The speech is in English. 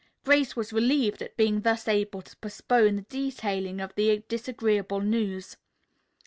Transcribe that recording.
Grace was relieved at being thus able to postpone the detailing of the disagreeable news.